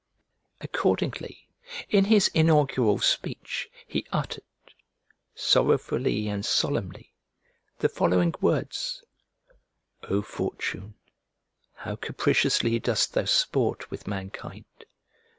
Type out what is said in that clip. Accordingly in his inaugural speech he uttered, sorrowfully and solemnly, the following words: "Oh! Fortune, how capriciously dost thou sport with mankind!